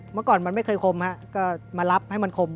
เมื่อก่อนมันไม่เคยคมฮะก็มารับให้มันคม